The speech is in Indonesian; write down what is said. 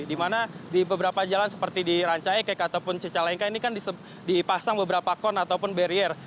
dimana di beberapa jalan seperti di ranca ekek ataupun cicalengka ini kan dipasang beberapa kon ataupun barier